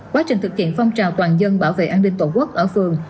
quá trình thực hiện phong trào toàn dân bảo vệ an ninh tổ quốc ở phường